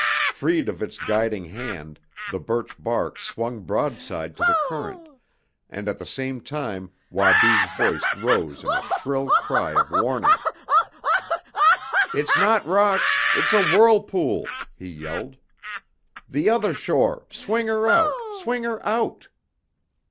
Freed of its guiding hand the birch bark swung broadside to the current, and at the same time Wabi's voice rose in a shrill cry of warning. "It's not rocks, it's a whirlpool!" he yelled. "The other shore, swing her out, swing her out!"